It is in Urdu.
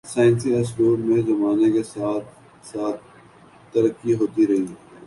سائنسی اسلوب میں زمانے کے ساتھ ساتھ ترقی ہوتی رہی ہے۔